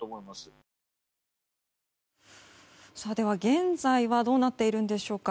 現在はどうなっているんでしょうか。